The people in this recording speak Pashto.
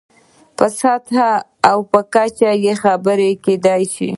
په سطحه او کچه یې خبرې کېدای شي.